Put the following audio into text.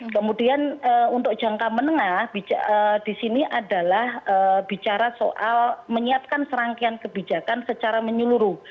kemudian untuk jangka menengah di sini adalah bicara soal menyiapkan serangkaian kebijakan secara menyeluruh